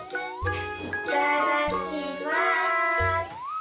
いただきます。